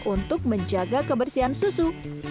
untuk menjaga kebersihan susu